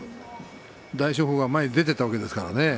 大翔鵬が前に出ていったわけですからね。